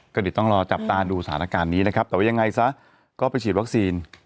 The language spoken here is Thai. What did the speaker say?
ก็เดี๋ยวต้องรอจับตาดูสถานการณ์นี้นะครับแต่ว่ายังไงซะก็ไปฉีดวัคซีน